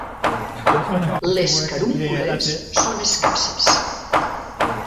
Les carúncules són escasses.